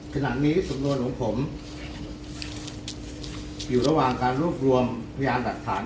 ขนาดนี้สมรวจของผมอยู่ระหว่างการรูปรวมพยานดักฐาน